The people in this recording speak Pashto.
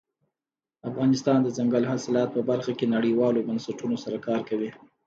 افغانستان د دځنګل حاصلات په برخه کې نړیوالو بنسټونو سره کار کوي.